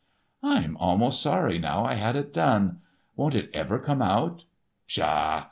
"I'm almost sorry now I had it done. Won't it ever come out? Pshaw!